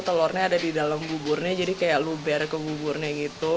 telurnya ada di dalam buburnya jadi kayak luber ke buburnya gitu